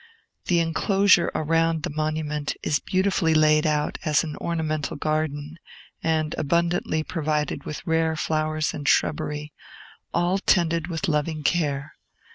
The enclosure around the monument is beautifully laid out as an ornamental garden, and abundantly provided with rare flowers and shrubbery, all tended with loving care.